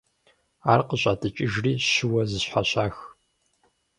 Ар къыщӀатӏыкӏыжри щыуэ зэщхьэщах.